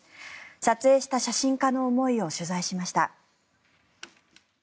撮影した写真家の思いを取材しました。